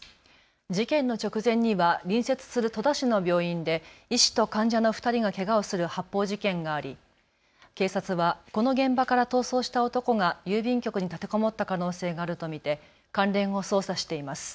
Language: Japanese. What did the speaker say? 事件の直前には隣接する戸田市の病院で医師と患者の２人がけがをする発砲事件があり警察はこの現場から逃走した男が郵便局に立てこもった可能性があると見て関連を捜査しています。